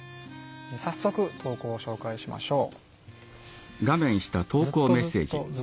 早速、投稿を紹介しましょう。